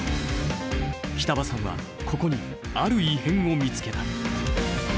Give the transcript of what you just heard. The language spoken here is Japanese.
北場さんはここにある異変を見つけた。